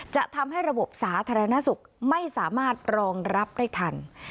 จะทำให้ระบบสาธารณสุขไม่สามารถรองรับได้ทัน